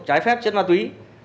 trái phép chất ma túy